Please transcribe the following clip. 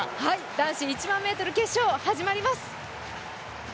男子１００００ｍ決勝始まります。